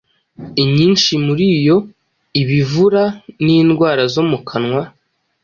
imyinshi muri yo iba ivura n’indwara zo mu kanwa,